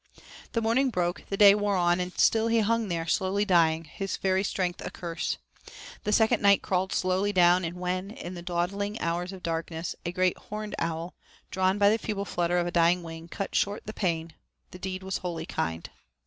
The morning broke, the day wore on, and still he hung there, slowly dying; his very strength a curse. The second night crawled slowly down, and when, in the dawdling hours of darkness, a great Horned Owl, drawn by the feeble flutter of a dying wing, cut short the pain, the deed was wholly kind.